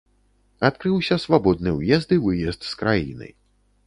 Адкрыўся свабодны ўезд і выезд з краіны.